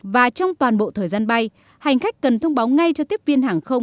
và trong toàn bộ thời gian bay hành khách cần thông báo ngay cho tiếp viên hàng không